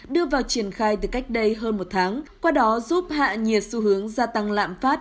đưa vào triển khai từ cách đây hơn một tháng qua đó giúp hạ nhiệt xu hướng gia tăng lạm phát